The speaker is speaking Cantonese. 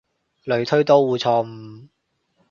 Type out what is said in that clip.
類推都會錯誤